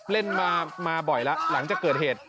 เล่นมาบ่อยแล้วหลังจากเกิดเหตุ